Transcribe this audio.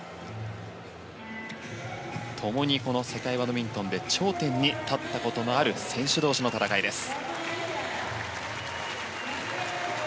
共に世界バドミントンで頂点に立ったことのある選手同士の戦いです。